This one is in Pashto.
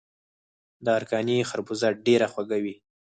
د ارکاني خربوزه ډیره خوږه وي.